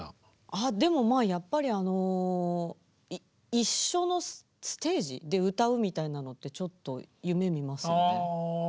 ああでもまあやっぱりあの一緒のステージで歌うみたいなのってちょっと夢みますよね。